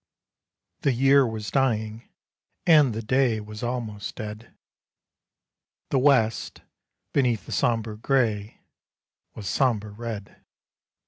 The year was dying, and the day Was almost dead; The West, beneath a sombre gray, Was sombre red.